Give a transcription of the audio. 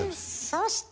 そして！